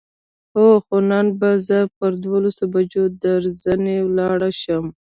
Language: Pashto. هو، خو نن به زه پر دولسو بجو درځنې ولاړ شم.